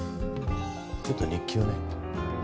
ちょっと日記をね。